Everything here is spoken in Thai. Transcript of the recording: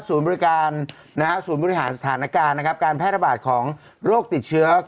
สูญบริการสูญบริหารสถานการณ์การแพทย์ระบาดของโรคติดเชื้อ